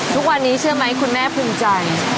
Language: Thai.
ทุกวันนี้เชื่อไหมคุณแม่ภูมิใจ